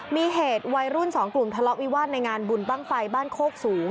มีเหตุวัยรุ่นสองกลุ่มทะเลาะวิวาสในงานบุญบ้างไฟบ้านโคกสูง